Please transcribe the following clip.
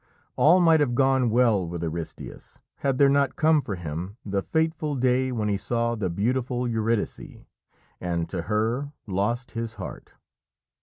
All might have gone well with Aristæus had there not come for him the fateful day when he saw the beautiful Eurydice and to her lost his heart.